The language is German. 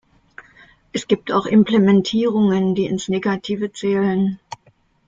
Es gibt auch Implementierungen, die ins Negative zählen.